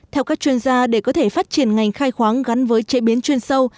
theo các chuyên gia để có thể phát triển ngành khai khoáng gắn với chế biến chuyên sâu